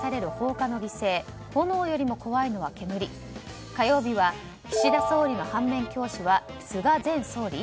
火曜日は岸田総理の反面教師は菅前総理？